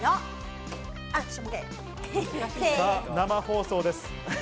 生放送です。